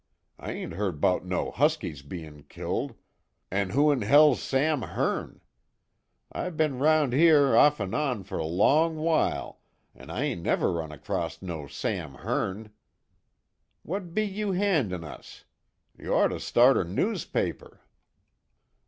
I ain't heard 'bout no Huskies bein' killed, an' who in hell's Sam Hearne? I be'n round here, off an' on, fer long while, an' I ain't never run acrost no Sam Hearne. What be you handin' us? You ort to start a noospaper."